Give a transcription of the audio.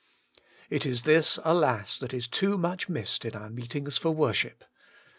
It is this, alas, that is too much missed in our meetings for worship.